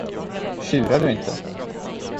Tjurar du inte?